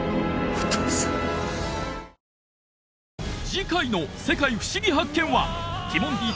次回の「世界ふしぎ発見！」はティモンディ